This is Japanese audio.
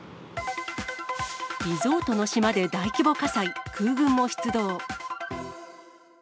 リゾートの島で大規模火災、空軍も出動。